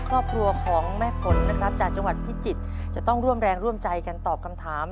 ครอบครัวของแม่ฝนนะครับจากจังหวัดพิจิตรจะต้องร่วมแรงร่วมใจกันตอบคำถาม